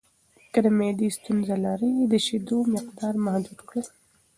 که د معدې ستونزه لرئ، د شیدو مقدار محدود کړئ.